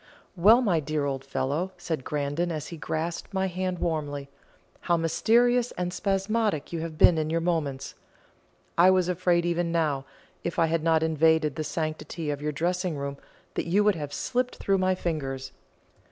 "Well, my dear old fellow," said Grandon, as he grasped my hand warmly, "how mysterious and spasmodic you have been in your movements! I was afraid even now, if I had not invaded the sanctity of your dressing room, that you would have slipped through my fingers.